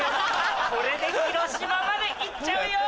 これで広島まで行っちゃうよ！